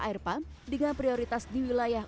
air pump dengan prioritas di wilayah